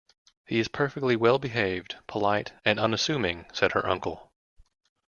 “He is perfectly well behaved, polite, and unassuming,” said her uncle.